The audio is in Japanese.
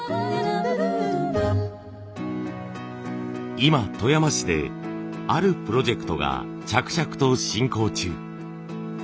今富山市であるプロジェクトが着々と進行中。